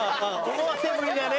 思わせぶりだね。